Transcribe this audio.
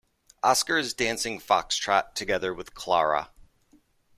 Oscar is dancing foxtrot together with Clara.